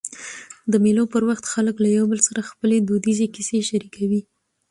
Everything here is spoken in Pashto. د مېلو پر وخت خلک له یو بل سره خپلي دودیزي کیسې شریکوي.